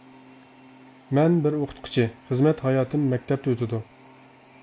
مەن بىر ئوقۇتقۇچى، خىزمەت ھاياتىم مەكتەپتە ئۆتىدۇ.